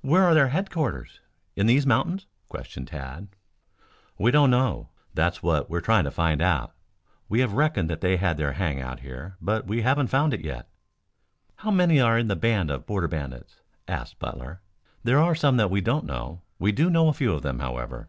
"Where are their headquarters in these mountains?" questioned Tad. "We don't know. That's what we're trying to find out. We have reckoned they had their hang out here, but we haven't found it yet" "How many are in this band of Border Bandits?" asked Butler. "There are some that we don't know. We do know a few of them, however.